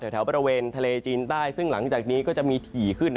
แถวบริเวณทะเลจีนใต้ซึ่งหลังจากนี้ก็จะมีถี่ขึ้น